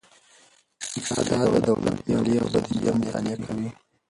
اقتصاد د دولت مالیې او بودیجه مطالعه کوي.